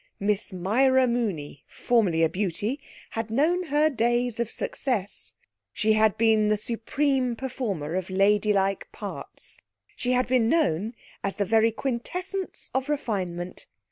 Miss Myra Mooney, formerly a beauty, had known her days of success. She had been the supreme performer of ladylike parts. She had been known as the very quintessence of refinement.